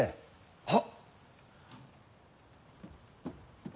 はっ。